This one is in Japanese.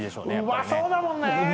うまそうだもんね。